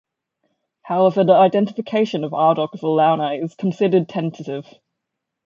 However the identification of Ardoch with Alauna is considered tentative.